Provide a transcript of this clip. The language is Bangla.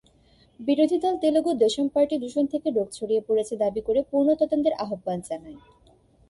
বিরোধী দল তেলুগু দেশম পার্টি দূষণ থেকে রোগ ছড়িয়ে পড়েছে দাবি করে পূর্ণ তদন্তের আহ্বান জানায়।